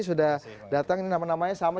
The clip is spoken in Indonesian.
sudah datang ini nama namanya sama